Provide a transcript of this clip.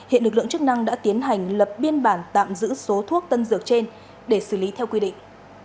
hiện lực lượng chức năng đã tiến hành lập biên bản tạm giữ số thuốc tân dược trên để xử lý theo quy định